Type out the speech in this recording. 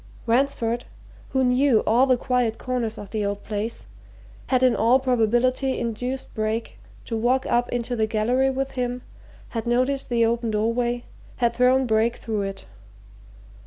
Ransford, who knew all the quiet corners of the old place, had in all probability induced Brake to walk up into the gallery with him, had noticed the open doorway, had thrown Brake through it.